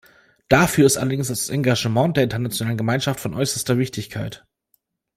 Dafür ist allerdings das Engagement der internationalen Gemeinschaft von äußerster Wichtigkeit.